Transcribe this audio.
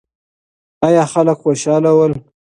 ایا خلک خوشاله ول؟